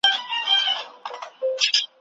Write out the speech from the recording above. که استاد نه وي څېړنه به ستونزمنه وي.